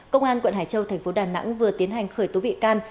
công an quận hải châu thành phố đà nẵng vừa tiến hành khởi tố bị can